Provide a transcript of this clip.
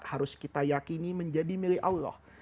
harus kita yakini menjadi milik allah